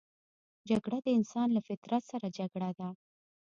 جګړه د انسان له فطرت سره جګړه ده